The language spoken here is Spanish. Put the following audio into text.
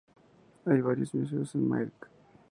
Hay varios museos en Melk.